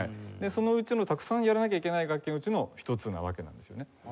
そのうちのたくさんやらなきゃいけない楽器のうちの一つなわけなんですよね。